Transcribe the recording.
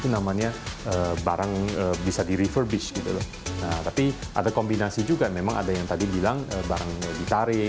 nah tapi ada kombinasi juga memang ada yang tadi bilang barang ditarik